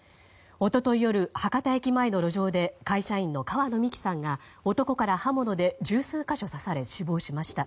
一昨日夜、博多駅前の路上で会社員の川野美樹さんが男から刃物で十数か所刺され死亡しました。